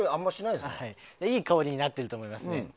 いい香りになってると思います。